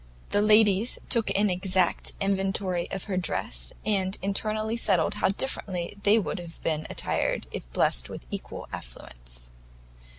The ladies took an exact inventory of her dress, and internally settled how differently they would have been attired if blessed with equal affluence.